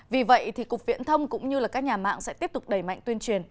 vì vậy cục viễn thông cũng như các nhà mạng sẽ tiếp tục đẩy mạnh tuyên truyền